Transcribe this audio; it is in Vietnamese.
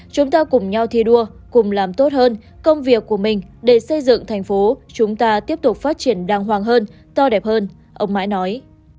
chúng ta cùng nhau thi đua cùng làm tốt hơn công việc của mình để xây dựng thành phố chúng ta tiếp tục phát triển đàng hoàng hơn to đẹp hơn ông mãi nói